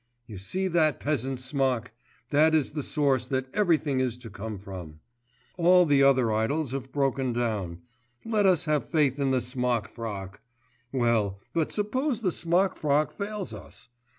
You see that peasant's smock? That is the source that everything is to come from. All the other idols have broken down; let us have faith in the smock frock. Well, but suppose the smock frock fails us?